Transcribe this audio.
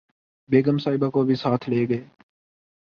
بیگم صاحبہ کو بھی ساتھ لے گئے